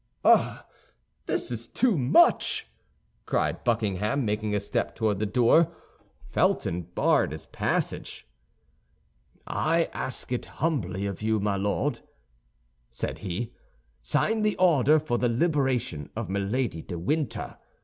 "Ah, this is too much!" cried Buckingham, making a step toward the door. Felton barred his passage. "I ask it humbly of you, my Lord," said he; "sign the order for the liberation of Milady de Winter.